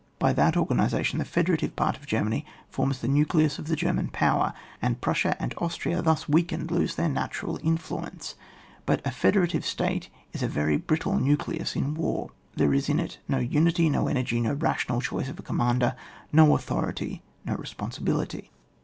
By that organisation the federa tive part of Germany forms the nucleus of the German power, and Prussia and Austria thus weakened, lose their na tural influence. But a federative state is a very brittle nucleus in war — there is in it no unity, no energy, no rational choice of a commander, no authority, no responsibility.